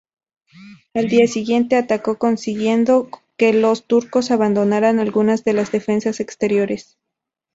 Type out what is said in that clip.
Al día siguiente atacó consiguiendo que los turcos abandonaran algunas de las defensas exteriores.